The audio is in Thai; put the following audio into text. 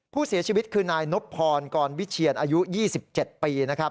ผู้เสียชีวิตคือนายนบพรกรวิเชียนอายุ๒๗ปีนะครับ